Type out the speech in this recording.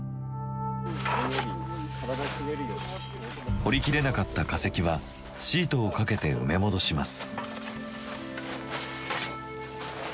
掘りきれなかった化石はシートをかけて埋め戻します。